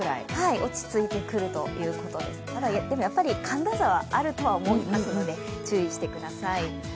落ち着いてくるということですがやっぱり寒暖差はあると思いますので注意してください。